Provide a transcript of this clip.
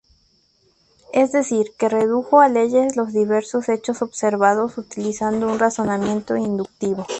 Es decir que redujo a leyes los diversos hechos observados utilizando un razonamiento inductivo.